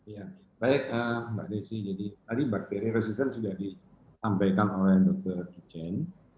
ya baik mbak desi jadi tadi bakteri resisten sudah ditampaikan oleh dr kijen